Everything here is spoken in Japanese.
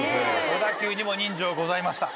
小田急にも人情ございました。